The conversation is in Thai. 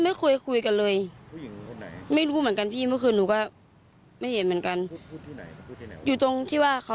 เอ๊ะหนูไม่รู้เหมือนกันค่ะ